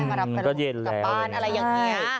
พ่อแม่งมารับภารกรุงกลับบ้านอะไรอย่างนี้